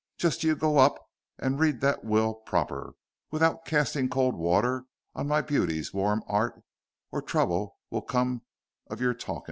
Just you go up and read the will proper and without castin' cold water on my beauty's warm 'eart, or trouble will come of your talkin'.